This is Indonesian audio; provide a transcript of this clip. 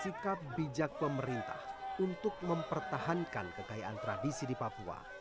sikap bijak pemerintah untuk mempertahankan kekayaan tradisi di papua